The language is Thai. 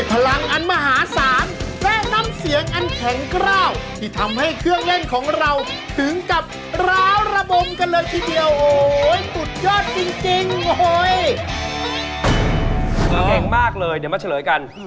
เก่งมากเลยเดี๋ยวมาเฉลยกัน